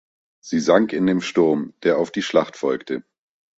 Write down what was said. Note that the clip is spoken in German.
Sie sank in dem Sturm, der auf die Schlacht folgte.